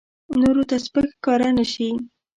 نورو ته سپک ښکاره نه شي.